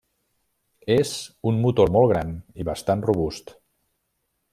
És un motor molt gran i bastant robust.